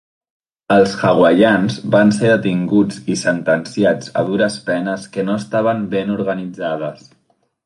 Els hawaians van ser detinguts i sentenciats a dures penes que no estaven ben organitzades.